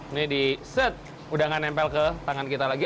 ini diset sudah tidak menempel ke tangan kita lagi